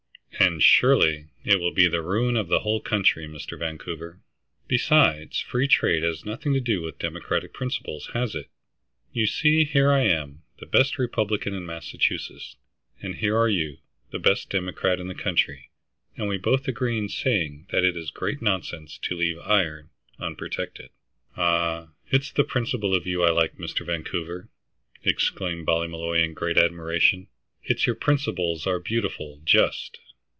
"And, surely, it will be the ruin of the whole country, Mr. Vancouver." "Besides, free trade has nothing to do with Democratic principles, has it? You see here am I, the best Republican in Massachusetts, and here are you, the best Democrat in the country, and we both agree in saying that it is great nonsense to leave iron unprotected." "Ah, it's the principle of you I like, Mr. Vancouver!" exclaimed Ballymolloy in great admiration. "It's your principles are beautiful, just!"